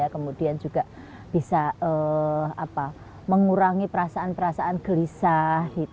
kemudian juga bisa mengurangi perasaan perasaan gelisah